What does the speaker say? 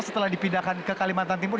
setelah dipindahkan ke kalimantan timur